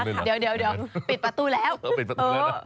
เดี๋ยวปิดประตูแล้ว